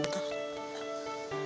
berani ngambil keputusan yang bener